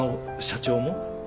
社長も。